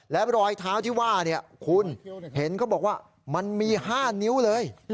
และรอยเท้าที่ว่าคุณเห็นเขาบอกว่ามันมี๕นิ้วเลย